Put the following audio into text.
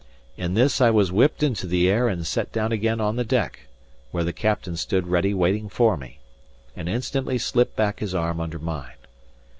In this I was whipped into the air and set down again on the deck, where the captain stood ready waiting for me, and instantly slipped back his arm under mine.